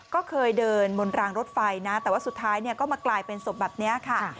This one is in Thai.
ก็เคยเดินบนรางรถไฟนะแต่ว่าสุดท้ายก็มากลายเป็นศพแบบนี้ค่ะ